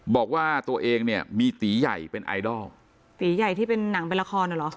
บอกว่าตัวเองเนี่ยมีตีใหญ่เป็นไอดอลตีใหญ่ที่เป็นหนังเป็นละครอ่ะเหรอ